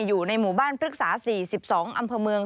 อยู่ในหมู่บ้านพฤกษา๔๒อำเภอเมือง